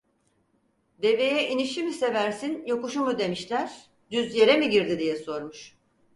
"Deveye inişi mi seversin, yokuşu mu?" demişler; "düz yere mi girdi?" diye sormuş.